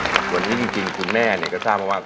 วันนี้ที่จริงคุณแม่นึงก็ทราบว่า